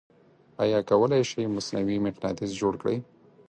آیا کولی شئ مصنوعې مقناطیس جوړ کړئ؟